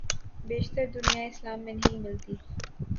بیشتر دنیائے اسلام میں نہیں ملتی۔